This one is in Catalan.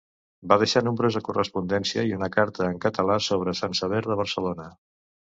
Va deixar nombrosa correspondència i una carta en català sobre sant Sever de Barcelona.